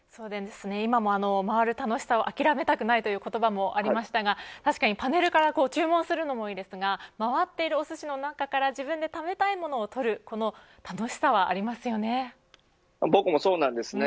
今も、回る楽しさを諦めたくないという言葉もありましたが確かにパネルからも注文するのもいいですが回っているおすしの中から自分が食べたいお寿司を取ることの楽しさは僕もそうなんですね。